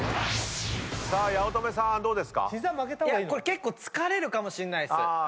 結構疲れるかもしれないです。